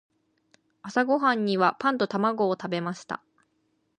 朝ごはんにはパンと卵を食べました。